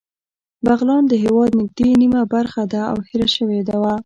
بغلان د هېواد نږدې نیمه برخه ده او هېره شوې وه